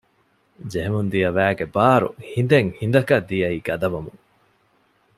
ޖެހެމުންދިޔަ ވައިގެ ބާރު ހިނދެއް ހިނދަކަށް ދިޔައީ ގަދަވަމުން